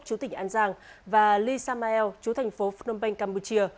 chú tỉnh an giang và lee samuel chú thành phố phnom penh campuchia